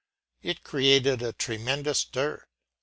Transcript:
It created a tremendous stir.